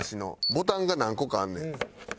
ボタンが何個かあんねん。